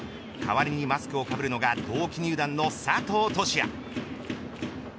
代わりにマスクをかぶるのが同期入団の佐藤都志也。